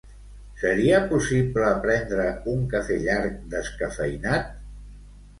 Seria possible prendre un cafè llarg descafeïnat?